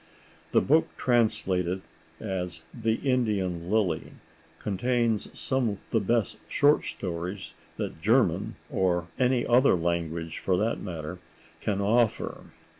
The book translated as "The Indian Lily" contains some of the best short stories that German—or any other language, for that matter—can offer.